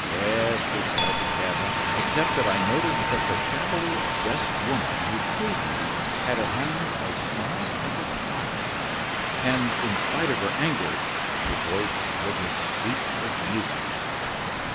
"Yes," replied the cabman, "except that I noticed that the shabbily dressed woman who paid me had a hand as small as a child's, and in spite of her anger, her voice was as sweet as music."